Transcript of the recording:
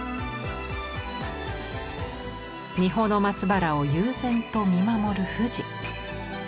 三保の松原を悠然と見守る富士。